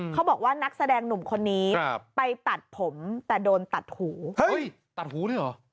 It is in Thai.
เขาบอกว่านักแสดงหนุ่มคนนี้ไปตัดผมแต่โดนตัดหู